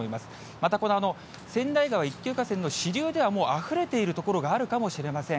また川内川、一級河川の支流では、もうあふれている所があるかもしれません。